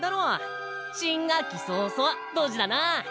新学期早々ドジだなあ。